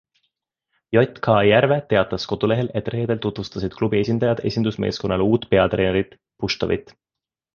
JK Järve teatas kodulehel, et reedel tutvustasid klubi esindajad esindusmeeskonnale uut peatreenerit - Puštovit.